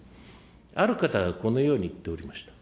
ある方がこのように言っておりました。